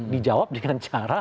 dijawab dengan cara